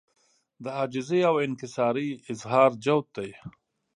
د عاجزۍاو انکسارۍ اظهار جوت دی